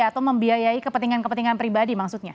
atau membiayai kepentingan kepentingan pribadi maksudnya